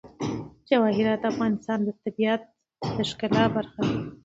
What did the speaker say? جواهرات د افغانستان د طبیعت د ښکلا برخه ده.